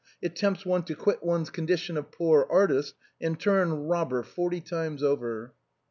It tempts one to quit one's condition of poor artist and turn robber, forty times over."